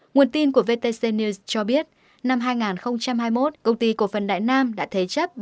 nguồn tin của vtc news cho biết năm hai nghìn hai mươi một công ty cổ phần đại nam đã thế chấp